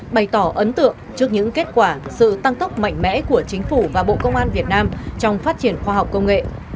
bày tỏ ấn tượng trước những kết quả sự tăng tốc mạnh mẽ của chính phủ và bộ công an việt nam trong phát triển khoa học công nghệ